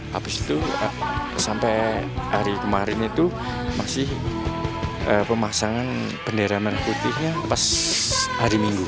habis itu sampai hari kemarin itu masih pemasangan bendera merah putihnya pas hari minggu